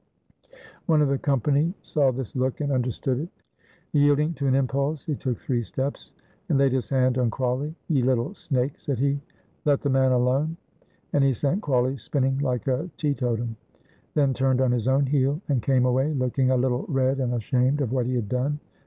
One of the company saw this look and understood it. Yielding to an impulse he took three steps, and laid his hand on Crawley. "Ye little snake," said he, "let the man alone!" and he sent Crawley spinning like a teetotum; then turned on his own heel and came away, looking a little red and ashamed of what he had done.